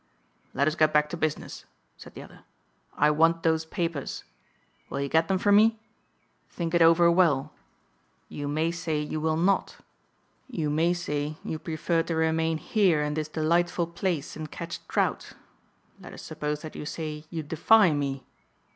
"Let us get back to business," said the other, "I want those papers. Will you get them for me? Think it over well. You may say you will not. You may say you prefer to remain here in this delightful place and catch trout. Let us suppose that you say you defy me.